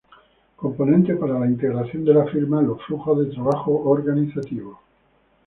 Componente para la integración de la firma en los flujos de trabajo organizativos.